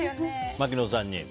槙野さんに。